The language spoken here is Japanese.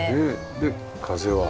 で風は。